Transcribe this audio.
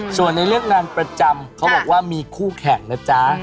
ส่วนในเรื่องงานประจำเขาบอกว่ามีคู่แข่งนะจ๊ะ